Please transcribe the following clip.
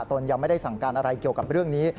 ตนยังไม่ได้สั่งการอะไรเกี่ยวกับเรื่องนี้